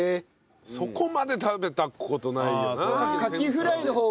そこまで食べた事ない。